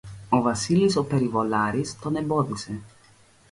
Ο Βασίλης ο περιβολάρης τον εμπόδισε